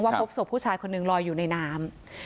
พบศพผู้ชายคนหนึ่งลอยอยู่ในน้ำ